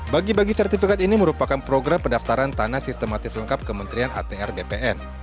bagi bagi sertifikat ini merupakan program pendaftaran tanah sistematis lengkap kementerian atr bpn